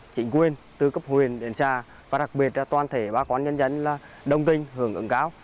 chỉnh quyền từ cấp huyền đến xa và đặc biệt toàn thể bác quan nhân dân là đồng kinh hưởng ứng cáo